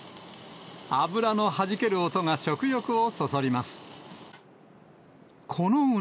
脂のはじける音が食欲をそそります。